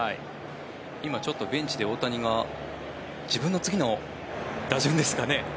今ちょっとベンチで大谷が自分の次の打順ですかね。